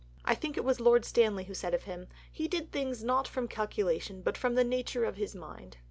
I think it was Lord Stanley who said of him, 'He did things not from calculation, but from the nature of his mind.'